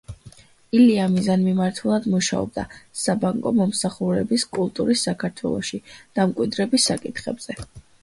ილია მიზანმიმართულად მუშაობდა საბანკო მომსახურების კულტურის საქართველოში დამკვიდრების საკითხებზე.